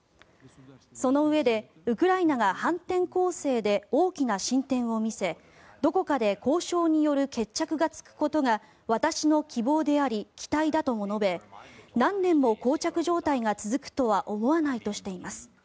そのうえでウクライナが反転攻勢で大きな進展を見せどこかで交渉による決着がつくことが私の希望であり期待だとも述べ何年もこう着状態が続くとは思わないとしています。